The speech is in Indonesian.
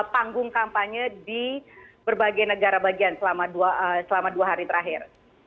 panggung kampanye di berbagai negara bagian selama dua hari terakhir